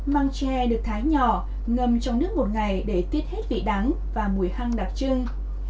mang tre được thái nhỏ ngâm trong nước một ngày để tiết hết vị đắng và mùi hăng đặc trưng